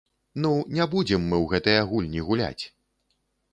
Ну, не будзем мы ў гэтыя гульні гуляць!